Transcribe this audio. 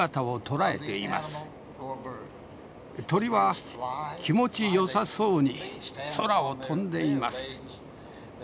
鳥は気持ち良さそうに空を飛んでいます。